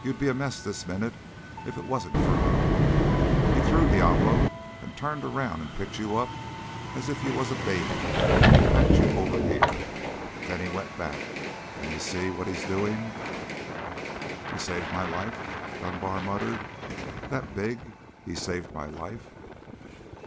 You'd be a mess this minute, if it wasn't for Hunter! He threw Diablo and turned around and picked you up as if you was a baby and packed you over here. Then he went back and you see what's he's doing?" "He saved my life?" muttered Dunbar. "That big He saved my life?"